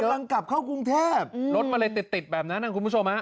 กำลังกลับเข้ากรุงเทพรถมันเลยติดแบบนั้นนะคุณผู้ชมฮะ